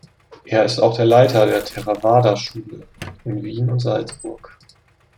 Er ist auch der Leiter der Theravada Schule in Wien und Salzburg.